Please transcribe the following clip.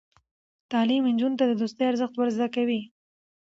تعلیم نجونو ته د دوستۍ ارزښت ور زده کوي.